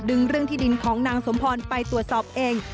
เรื่องที่ดินของนางสมพรไปตรวจสอบเอง